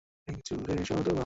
তখন তিনি খোঁড়াতে থাকেন।